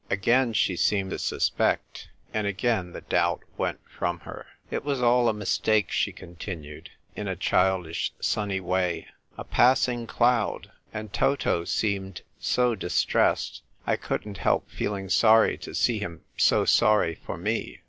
Again she seemed to suspect, and again the doubt went from her. " It was all a mistake," she continued, in a childish, sunny way, " a passing cloud. And Toto seemed so distressed, I couldn't help feel ing sorry to see him so sorry for me.